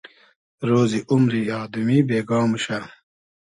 رۉزی اومری آدئمی بېگا موشۂ